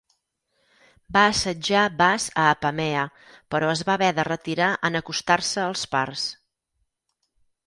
Va assetjar Bas a Apamea, però es va haver de retirar en acostar-se els parts.